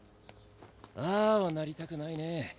ああはなりたくないね。